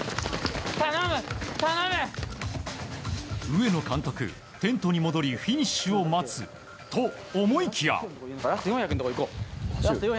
上野監督、テントに戻りフィニッシュを待つと思いきや。